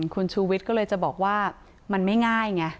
คุณชูวิทย์ก็เลยจะบอกว่ามันไม่ง่ายไง